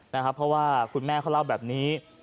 เพราะว่าคุณแม่เขาเล่าแบบนี้